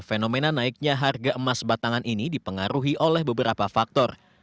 fenomena naiknya harga emas batangan ini dipengaruhi oleh beberapa faktor